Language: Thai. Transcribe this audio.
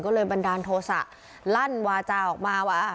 ก็เลยบันดาลโทษะลั่นวาจาออกมาว่า